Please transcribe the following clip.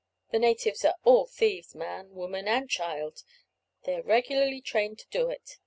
The natives are all thieves, man, woman, and child; they are regularly trained to it.